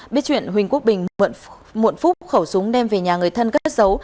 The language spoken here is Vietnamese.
biết chuyện huỳnh quốc bình mượn phúc khẩu súng đem về nhà người thân cất giấu